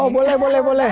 oh boleh boleh boleh